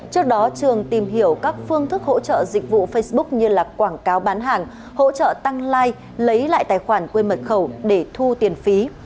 trước đó trường tìm hiểu các phương thức hỗ trợ dịch vụ facebook như là quảng cáo bán hàng hỗ trợ tăng like lấy lại tài khoản quê mật khẩu để thu tiền phí